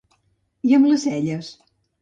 I amb les celles?